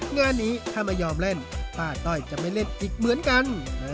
งานนี้ถ้าไม่ยอมเล่นป้าต้อยจะไม่เล่นอีกเหมือนกัน